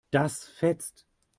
Das fetzt.